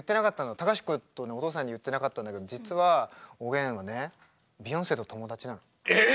隆子とねお父さんには言ってなかったんだけど実はおげんはねビヨンセと友達なの。え！